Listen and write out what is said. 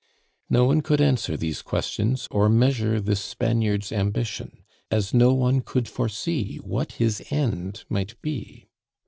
No one could answer these questions or measure this Spaniard's ambition, as no one could foresee what his end might be.